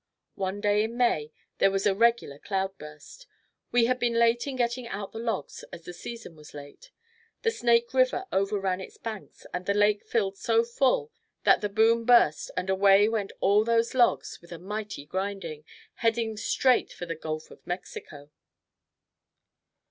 One day in May, there was a regular cloudburst. We had been late in getting out the logs as the season was late. The Snake River over ran its banks and the lake filled so full that the boom burst and away went all those logs with a mighty grinding, headed straight for the Gulf of Mexico.